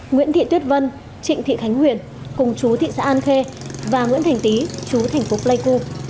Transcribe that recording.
nguyễn thị tuyết vân trịnh thị khánh huyền cùng chú thị xã an khê và nguyễn thành tý chú thành phố pleiku